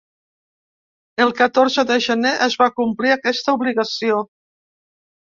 El catorze de gener es va complir aquesta obligació.